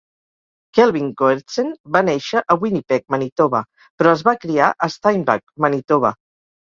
Kelvin Goertzen va néixer a Winnipeg, Manitoba, però es va criar a Steinbach, Manitoba.